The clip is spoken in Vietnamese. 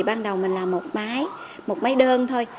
ban đầu mình làm một máy một máy đơn thôi